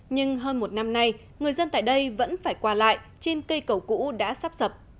nhưng hơn một năm nay người dân tại đây vẫn phải qua lại trên cây cầu cũ đã sắp sập